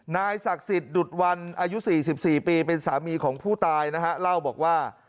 นายศักดิ์สิทธิ์ดุดวันอายุ๔๔ปีเป็นสามีของผู้ตายนะฮะเล่าบอกว่า